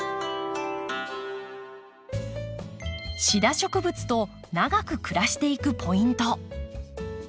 シダ植物と長く暮らしていくポイント。